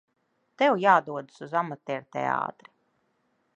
Tev jādodas uz amatierteātri!